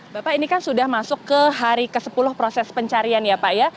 bapak ini kan sudah masuk ke hari ke sepuluh proses pencarian ya pak ya